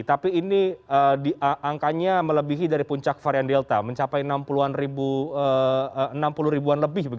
tapi ini angkanya melebihi dari puncak varian delta mencapai enam puluh ribuan lebih